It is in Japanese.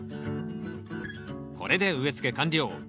これで植えつけ完了。